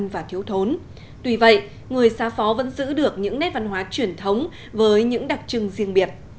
vì vậy người xa phó vẫn giữ được những nét văn hóa truyền thống với những đặc trưng riêng biệt